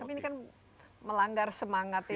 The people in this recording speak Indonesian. tapi ini kan melanggar semangat ya